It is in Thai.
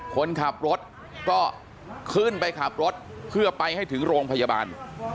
คนขับรถก็ขึ้นไปขับรถเพื่อไปให้ถึงโรงพยาบาล